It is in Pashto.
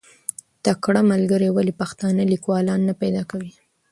تکړه ملګري ولې پښتانه لیکوالان نه پیدا کوي؟